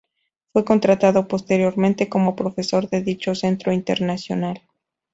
Fue contratado posteriormente como profesor de dicho centro internacional.